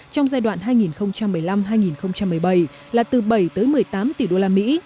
trong giai đoạn hai nghìn một mươi năm hai nghìn một mươi bảy là từ bảy tới một mươi tám tỷ đô la mỹ